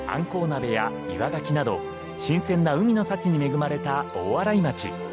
鍋やイワガキなど新鮮な海の幸に恵まれた大洗町。